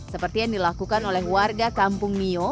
seperti yang dilakukan oleh warga kampung mio